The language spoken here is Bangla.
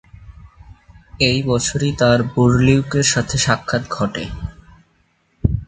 এই বছরই তার বুরলিউক-এর সাথে সাক্ষাত ঘটে।